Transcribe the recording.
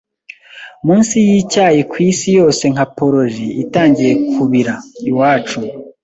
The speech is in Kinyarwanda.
munsi yicyayi, kwisi yose nka poroji itangiye kubira. Iwacu